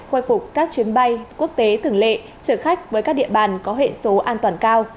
khôi phục các chuyến bay quốc tế thường lệ trở khách với các địa bàn có hệ số an toàn cao